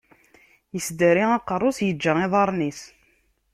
Isdari aqeṛṛu-s, iǧǧa iḍaṛṛen-is.